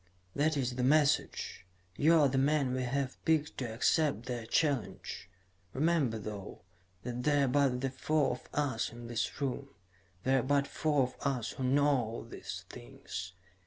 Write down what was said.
"That is the message. You are the man we have picked to accept their challenge. Remember, though, that there are but the four of us in this room. There are but four of us who know these things.